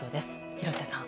廣瀬さん。